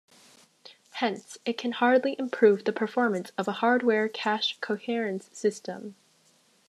Hence it can hardly improve the performance of a hardware cache coherence system.